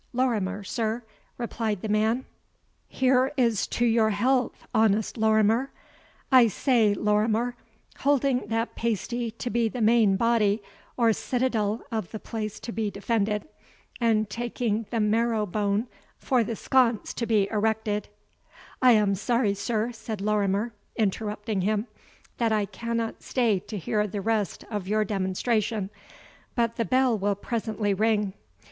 "Lorimer, sir," replied the man. "Here is to your health, honest Lorimer. I say, Lorimer holding that pasty to be the main body or citadel of the place to be defended, and taking the marrow bone for the sconce to be erected " "I am sorry, sir," said Lorimer, interrupting him, "that I cannot stay to hear the rest of your demonstration; but the bell will presently ring.